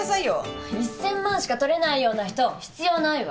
１，０００万しか取れないような人必要ないわ。